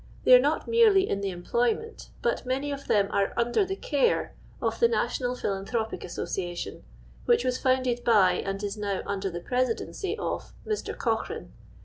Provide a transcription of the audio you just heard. They are not merely in the employment, but many of them are under the care, of the National Philanthropic Association, which was founded by, and is now under the presiilciicy of, Mr. Cochrane.